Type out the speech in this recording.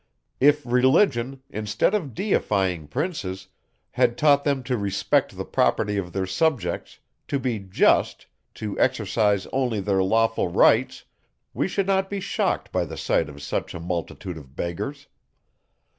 If Religion, instead of deifying princes, had taught them to respect the property of their subjects, to be just, to exercise only their lawful rights, we should not be shocked by the sight of such a multitude of beggars.